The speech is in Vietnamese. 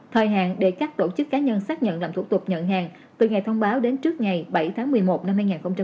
thời hạn để các tổ chức cá nhân xác nhận làm thủ tục nhận hàng từ ngày thông báo đến trước ngày bảy tháng một mươi một năm hai nghìn hai mươi